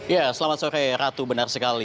ya selamat sore ratu benar sekali